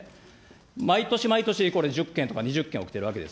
毎年毎年、これ、１０件とか２０件起きてるわけです。